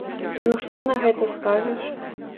Ну што на гэта скажаш?